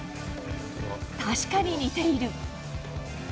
確かに似ている。